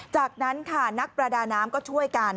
จากนั้นค่ะนักประดาน้ำก็ช่วยกัน